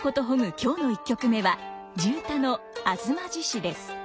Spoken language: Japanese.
今日の１曲目は地唄の「吾妻獅子」です。